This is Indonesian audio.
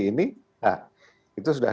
ini itu sudah